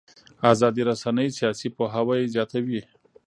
ازادې رسنۍ سیاسي پوهاوی زیاتوي